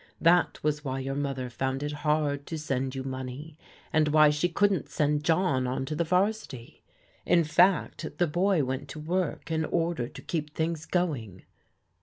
That was why your mother found it hard to send you money, and why she couldn't send John on to the 'Varsity. In fact the boy went to work in order to keep things going."